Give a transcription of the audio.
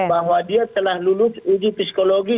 bahwa dia telah lulus uji psikologi